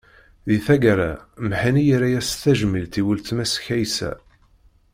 Di taggara, Mhenni yerra-as tajmilt i weltma-s Kaysa.